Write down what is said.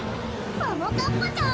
ももかっぱちゃん